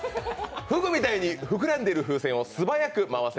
フグみたいに膨らんでいる風船を素早く回せ！